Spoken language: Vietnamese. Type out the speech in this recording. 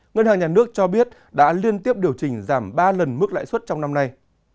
ngân hàng nhà nước cho biết đã liên tiếp điều chỉnh giảm ba lần mức lãi suất trong năm nay